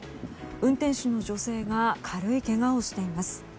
運転手の女性が軽いけがをしています。